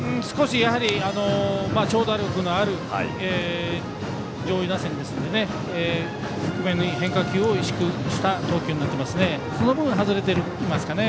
やはり長打力のある上位打線ですので低めに変化球を意識した投球になっていますね。